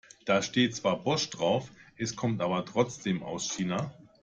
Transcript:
Da steht zwar Bosch drauf, es kommt aber trotzdem aus China.